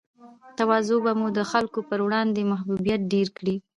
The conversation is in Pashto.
تواضع به مو د خلګو پر وړاندې محبوبیت ډېر کړي